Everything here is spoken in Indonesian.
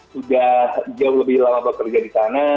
sudah jauh lebih lama bekerja di sana